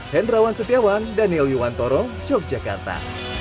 hendrawan setiawan daniel yuwantoro yogyakarta